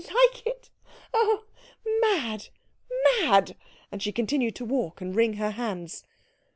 "Like it? Oh mad, mad!" And she continued to walk and wring her hands.